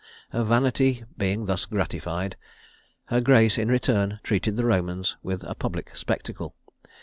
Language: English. Her vanity being thus gratified, her grace, in return, treated the Romans with a public spectacle.